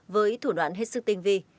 với thủ đoạn hết sức tinh vi